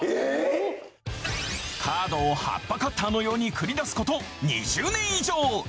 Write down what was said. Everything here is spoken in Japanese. カードをはっぱカッターのように繰り出すこと２０年以上。